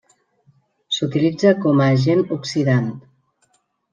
S'utilitza com a agent oxidant.